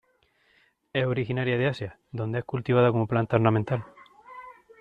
Es originaria de Asia, donde es cultivada como planta ornamental.